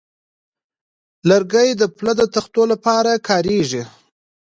لرګی د پله د تختو لپاره کارېږي.